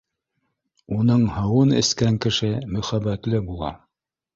Уның һыуын эскән кеше мөхәббәтле була